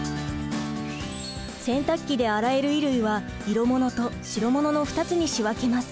洗濯機で洗える衣類は色物と白物の２つに仕分けます。